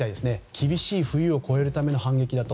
厳しい冬を越えるための反撃だと。